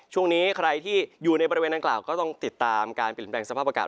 ช่วงนี้ใครที่อยู่ในบริเวณดังกล่าวก็ต้องติดตามการเปลี่ยนแปลงสภาพอากาศ